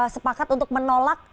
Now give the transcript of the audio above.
sepakat untuk menolak